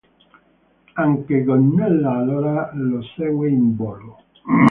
Anche Gonnella allora lo segue in volo.